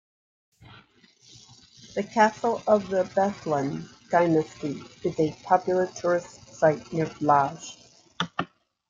The castle of the Bethlen dynasty is a popular tourist site near Blaj.